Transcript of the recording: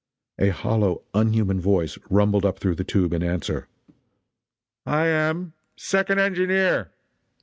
A hollow, unhuman voice rumbled up through the tube in answer: "I am. Second engineer."